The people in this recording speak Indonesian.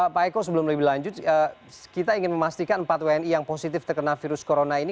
pak eko sebelum lebih lanjut kita ingin memastikan empat wni yang positif terkena virus corona ini